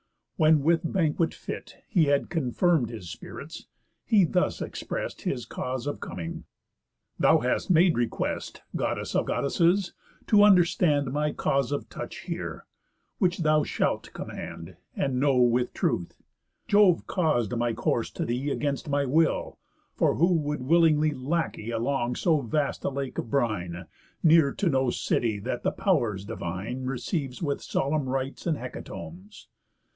When with banquet fit He had confirm'd his spirits, he thus exprest His cause of coming: "Thou hast made request, Goddess of Goddesses, to understand My cause of touch here; which thou shalt command, And know with truth: Jove caus'd my course to thee Against my will, for who would willingly Lackey along so vast a lake of brine, Near to no city that the Pow'rs divine Receives with solemn rites and hecatombs?